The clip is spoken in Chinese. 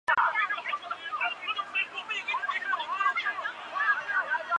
当天高宗就前往显忠寺。